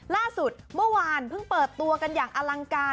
ล่าสุดเมื่อวานเพิ่งเปิดตัวกันอย่างอลังการ